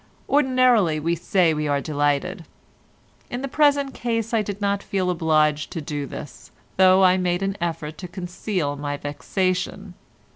Ordinarily we say we are delighted—in the present case I did not feel obliged to do this, though I made an effort to conceal my vexation.